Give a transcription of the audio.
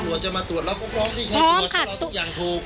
ตำรวจจะมาตรวจเราก็พร้อมที่ใช้ตรวจแล้วเราต้องอย่างถูก